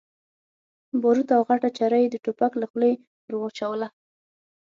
باروت او غټه چره يې د ټوپک له خولې ور واچوله.